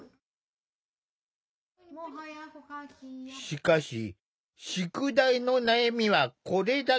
しかし宿題の悩みはこれだけではない。